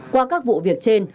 qua các vụ việc trên